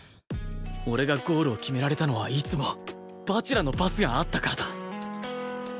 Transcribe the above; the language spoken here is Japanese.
俺がゴールを決められたのはいつも蜂楽のパスがあったからだ